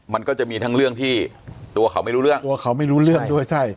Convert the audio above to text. มันก็จะมีทั้งเรื่องที่ตัวเขาไม่รู้เรื่องตัวเขาไม่รู้เรื่องด้วยใช่